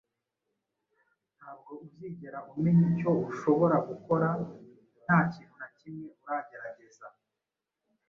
Nta bwo uzigera umenya icyo ushobora gukora nta kintu na kimwe uragerageza